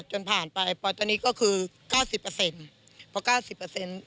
จนผ่านไปตอนนี้ก็คือเก้าสิบเปอร์เซ็นต์พอเก้าสิบเปอร์เซ็นต์